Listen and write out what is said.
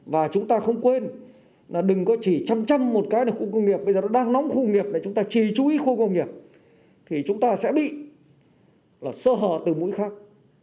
và chúng ta không quên là đừng có chỉ chăm chăm một cái là khu công nghiệp bây giờ nó đang nóng khu công nghiệp này chúng ta chỉ chú ý khu công nghiệp thì chúng ta sẽ bị sơ hở từ mũi khác